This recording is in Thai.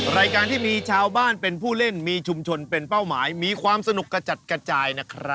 รายการที่มีชาวบ้านเป็นผู้เล่นมีชุมชนเป็นเป้าหมายมีความสนุกกระจัดกระจายนะครับ